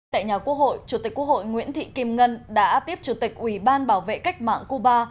tại nhà quốc hội chủ tịch quốc hội nguyễn thị kim ngân đã tiếp chủ tịch ủy ban bảo vệ cách mạng cuba